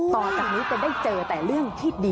ต่อจากนี้จะได้เจอแต่เรื่องที่ดี